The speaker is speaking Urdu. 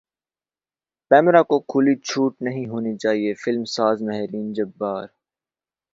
پیمرا کو کھلی چھوٹ نہیں ہونی چاہیے فلم ساز مہرین جبار